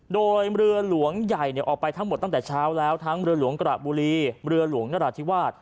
โดยเรือหลวงใหญ่ออกไปทั้งหมดตั้งแต่เช้าแล้วทั้งเรือหลวงกระบุรีเรือหลวงนราธิวาส